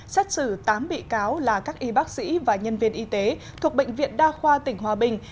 xét xử tám bị cáo là các y bác sĩ và nhân viên y tế thuộc bệnh viện đa khoa tỉnh hòa bình